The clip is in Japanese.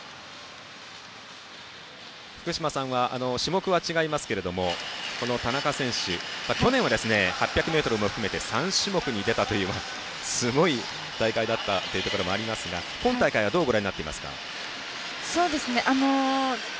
福島さんは種目は違いますけど田中選手、去年は８００ｍも含め３種目に出たというすごい大会だったところもありますが今大会はどうご覧になっていますか。